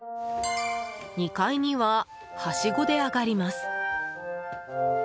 ２階には、はしごで上がります。